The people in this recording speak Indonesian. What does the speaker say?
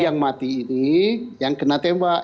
yang mati ini yang kena tembak